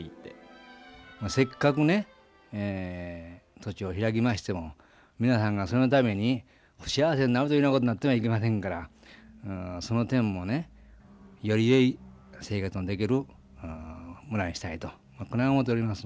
せっかくね土地を開きましても皆さんがそのために不幸せになるというようなことになってはいけませんからその点もねよりよい生活のできる村にしたいとこない思っております